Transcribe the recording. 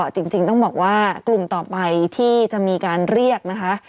จริงต้องบอกว่ากลุ่มต่อไปที่จะมีการเรียกนะคะ